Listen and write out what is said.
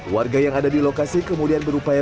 warga yang ada di lokasi kemudian berupaya